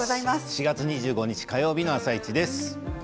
４月２５日火曜日の「あさイチ」です。